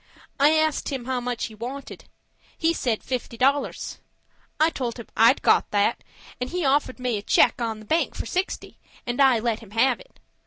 I asked him how much he wanted. He said fifty dollars. I told him I'd got that, and he offered me a check on the bank for sixty, and I let him have it.